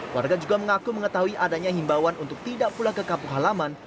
warga juga mengaku mengetahui adanya himbawan untuk tidak pulang ke kampung halaman